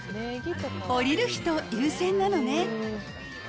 降りる人優先なのね。